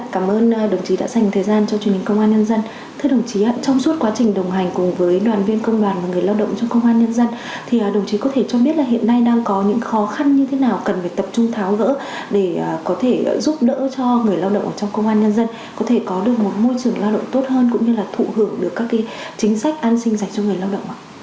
công đoàn công an nhân dân có thể có được một môi trường lao động tốt hơn cũng như là thụ hưởng được các chính sách an sinh dạy cho người lao động không